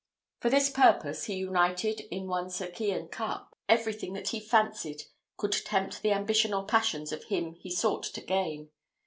For this purpose he united, in one Circean cup, everything that he fancied could tempt the ambition or passions of him he sought to gain.